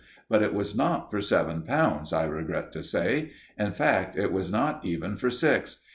But it was not for seven pounds, I regret to say. In fact, it was not even for six.